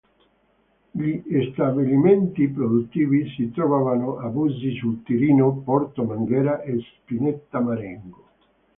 Gli stabilimenti produttivi si trovavano a Bussi sul Tirino, Porto Marghera e Spinetta Marengo.